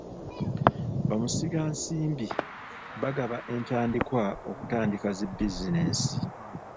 Ba musigansimbi bagaba entandikwa okutandika zi bizinensi.